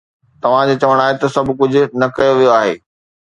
توهان جو چوڻ آهي ته سڀ ڪجهه نه ڪيو ويو آهي